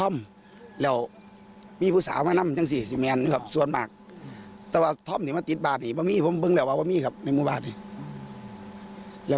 กระดูกในเมนนี่มันกระดูกใครกันแน่